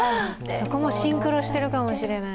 そこもシンクロしているかもしれない。